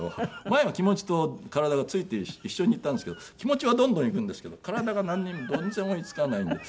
前は気持ちと体がついて一緒に行ったんですけど気持ちはどんどん行くんですけど体がなんにも全然追いつかないんで。